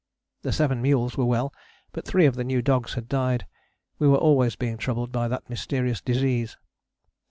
The seven mules were well, but three of the new dogs had died: we were always being troubled by that mysterious disease.